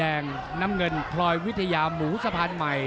หรือว่าผู้สุดท้ายมีสิงคลอยวิทยาหมูสะพานใหม่